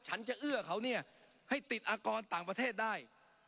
ฉันจะเอื้อเขาเนี่ยให้ติดอากรต่างประเทศได้